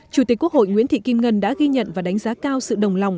chủ tịch quốc hội nguyễn thị kim ngân đã ghi nhận và đánh giá cao sự đồng lòng